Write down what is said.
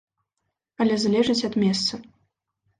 Але залежыць ад месца.